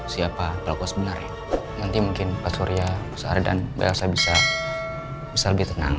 siapa pelakunya ya semoga kita bisa coba tahu siapa pelakunya ya semoga kita bisa coba tahu siapa